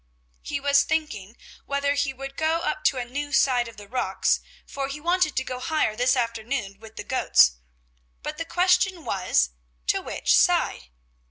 He was thinking whether he would go up to a new side of the rocks, for he wanted to go higher this afternoon with the goats, but the question was, to which side?